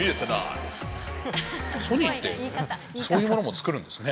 ソニーってそういうものも作るんですね。